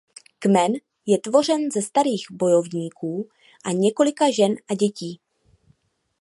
Kmen je tvořen ze starých bojovníků a několika žen a dětí.